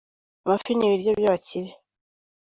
amafi ni ibiryo byabakire